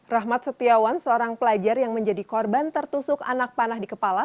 rahmat setiawan seorang pelajar yang menjadi korban tertusuk anak panah di kepala